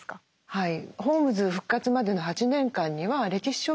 はい。